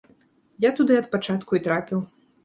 Я туды ад пачатку і трапіў.